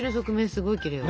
すごいきれいよ。